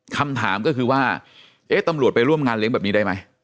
คำถามก็คือว่าเอ๊ะตำรวจไปร่วมงานเลี้ยงแบบนี้ได้ไหม